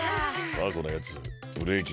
タアコのやつブレーキ